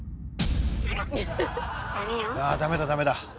あダメだダメだ！